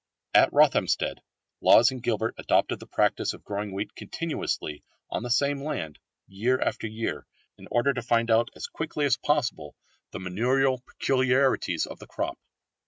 At Rothamsted, Lawes and Gilbert adopted the practice of growing wheat continuously on the same land year after year in order to find out as quickly as possible the manurial peculiarities of the crop.